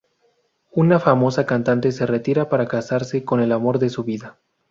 Una famosa cantante se retira para casarse con el amor de su vida.